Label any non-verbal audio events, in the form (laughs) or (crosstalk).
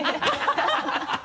ハハハ (laughs)